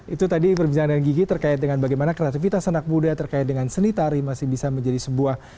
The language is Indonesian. itu tadi perbincangan dengan gigi terkait dengan bagaimana kreativitas anak muda terkait dengan seni tari masih bisa menjadi sebuah